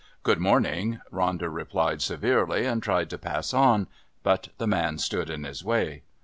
"Good morning," Ronder replied severely, and tried to pass on. But the man stood in his way.